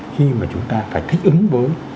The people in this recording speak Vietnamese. khi mà chúng ta phải thích ứng với